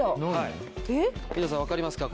皆さんわかりますか？